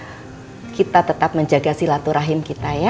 kalau memang tidak tante akan menjaga silaturahim kita ya